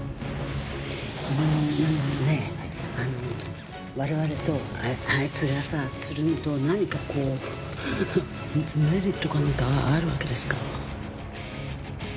うーんねえあの我々とあいつがさつるむと何かこうメリットかなんかあるわけですか？